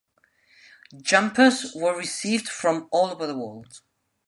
Jumpers were received from all over the world.